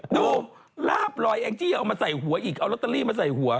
ดูลาบลอยแองจี้ยังเอามาใส่หัวอีกเอาลอตเตอรี่มาใส่หัว